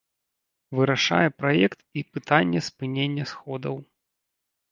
Вырашае праект і пытанне спынення сходаў.